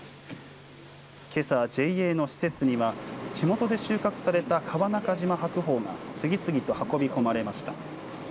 けさＪＡの施設には地元で収穫された川中島白鳳が次々と運び込まれました。